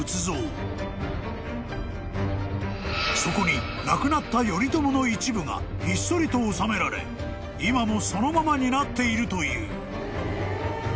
［そこに亡くなった頼朝の一部がひっそりと納められ今もそのままになっているという］